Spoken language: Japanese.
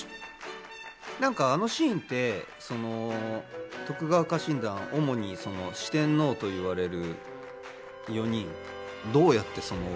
なんかあのシーンって徳川家臣団主に四天王と言われる４人。